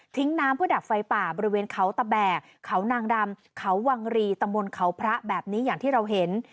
น้ำเพื่อดับไฟป่าบริเวณเขาตะแบกเขานางดำเขาวังรีตำบลเขาพระแบบนี้อย่างที่เราเห็น